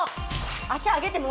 足上げて。